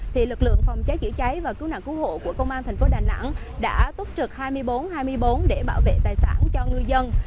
thì lực lượng phòng cháy chữa cháy và cứu nạn cứu hộ của công an thành phố đà nẵng đã túc trực hai mươi bốn hai mươi bốn để bảo vệ tài sản cho ngư dân